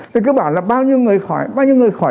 thì cứ bảo là bao nhiêu người khỏi bao nhiêu người khỏi